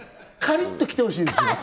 カリッときてほしいですね